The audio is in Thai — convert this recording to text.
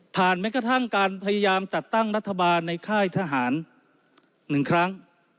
แม้กระทั่งการพยายามจัดตั้งรัฐบาลในค่ายทหาร๑ครั้ง